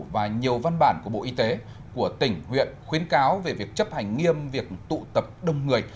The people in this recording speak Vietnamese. và nhiều văn bản của bộ y tế của tỉnh huyện khuyến cáo về việc chấp hành nghiêm việc tụ tập đông người